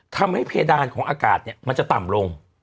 ทำให้เพดานของอากาศเนี่ยมันจะต่ำลง